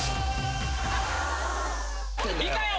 ・いたよ